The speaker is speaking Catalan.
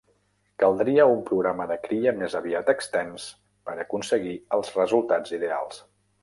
Caldria un programa de cria més aviat extens per aconseguir els resultats ideals.